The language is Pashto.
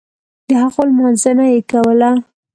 دهغو لمانځنه یې کوله.